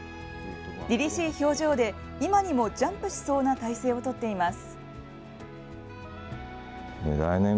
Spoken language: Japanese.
りりしい表情で今にもジャンプしそうな体勢をとっています。